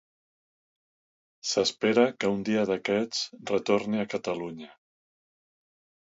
S'espera que un dia d'aquests retorni a Catalunya.